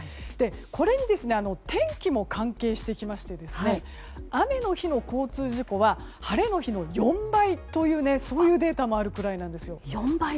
これに天気も関係してきまして雨の日の交通事故は晴れの日の４倍というそういうデータもあるくらいなんです。